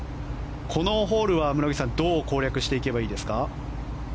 このホールは、村口さんどう攻略すればいいですか。